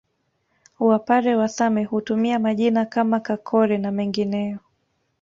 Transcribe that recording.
Wapare wa Same hutumia majina kama Kakore na mengineyo